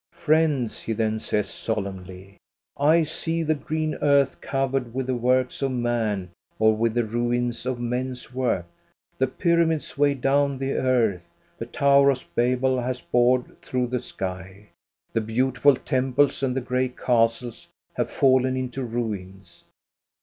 " Friends," he then says solemnly, " I see the green earth covered with the works of man or with the ruins of men's work. The pyramids weigh down the earth, the tower of Babel has bored through the sky, 198 THE STORY OF GOSTA BERLING the beautiful temples and the gray castles have fallen into ruins.